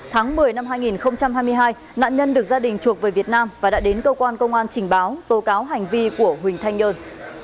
tháng một mươi năm hai nghìn hai mươi hai nạn nhân được gia đình chuộc về việt nam và đã đến cơ quan công an trình báo tố cáo hành vi của huỳnh thanh nhơn